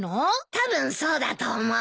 たぶんそうだと思う。